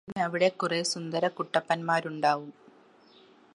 പിന്നെ അവിടെ കുറെ സുന്ദരകുട്ടപ്പൻമാരുമുണ്ടാവും